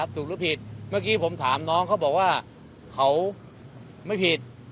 หรือผิดเมื่อกี้ผมถามน้องเขาบอกว่าเขาไม่ผิด